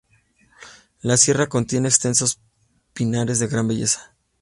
La sierra contiene extensos pinares de gran belleza.